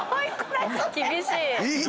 厳しい。